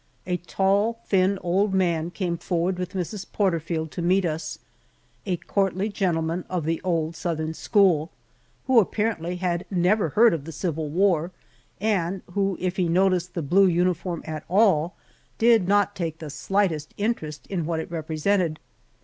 A tall, thin old man came forward with Mrs. Porterfield to meet us a courtly gentleman of the old Southern school who, apparently, had never heard of the Civil War, and who, if he noticed the blue uniform at all, did not take the slightest interest in what it represented.